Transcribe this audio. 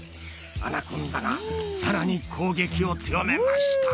アナコンダがさらに攻撃を強めました。